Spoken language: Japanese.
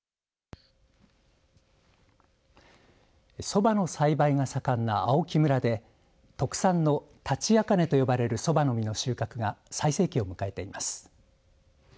そばの栽培が盛んな青木村で特産のタチアカネと呼ばれるそばの実の収穫が最盛期を迎えています。